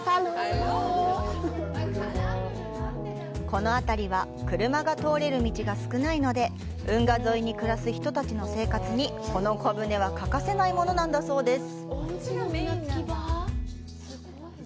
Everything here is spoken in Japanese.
この辺りは車が通れる道が少ないので運河沿いに暮らす人たちの生活にこの小舟は欠かせないものなんだそうです。